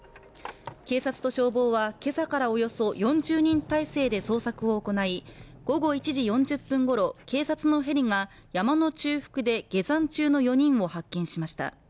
警察と消防は今朝からおよそ４０人態勢で捜索を行い午後１時４０分ごろ、警察のヘリが下山中の４人を発見しました。